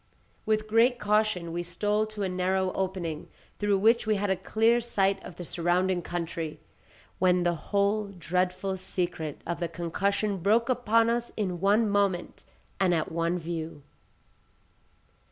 With great caution we stole to a narrow opening, through which we had a clear sight of the surrounding country, when the whole dreadful secret of the concussion broke upon us in one moment and at one view.